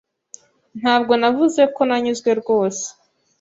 Ntabwo navuze ko nanyuzwe rwose.